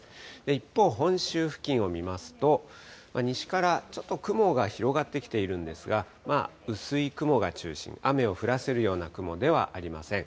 一方、本州付近を見ますと、西からちょっと雲が広がってきているんですが、まあ、薄い雲が中心、雨を降らせるような雲ではありません。